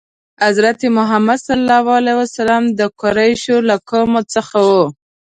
حضرت محمد ﷺ د قریشو له قوم څخه و.